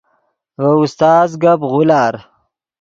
ڤے استاز گپ غولار